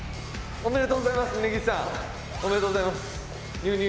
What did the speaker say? おめでとうございます峯岸さん。